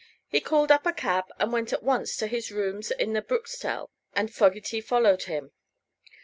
He called up a cab and went at once to his rooms at the Bruxtelle; and Fogerty followed him.